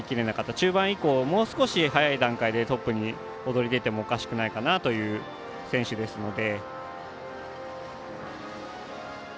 中盤以降もう少し早い段階でトップに躍り出てもおかしくないかなという選手ですので。